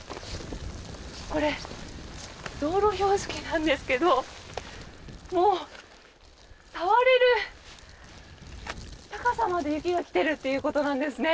これ、道路標識なんですがもう触れる高さまで雪が来ているということなんですね。